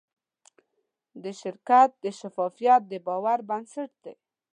د شرکت شفافیت د باور بنسټ دی.